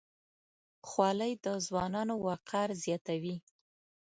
خولۍ د ځوانانو وقار زیاتوي.